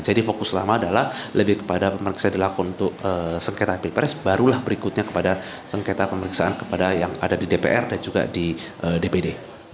jadi fokus utama adalah lebih kepada pemeriksaan dilakukan untuk sengketa pilek press barulah berikutnya kepada sengketa pemeriksaan kepada yang ada di dpr dan juga di dpd